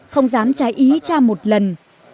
không dám trái ý cha một lần